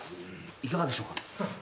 いかがでしょうか？